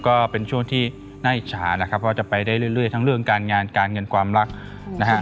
ก็เป็นช่วงที่น่าอิจฉานะครับเพราะจะไปได้เรื่อยทั้งเรื่องการงานการเงินความรักนะฮะ